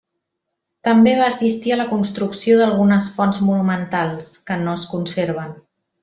També va assistir a la construcció d'algunes fonts monumentals, que no es conserven.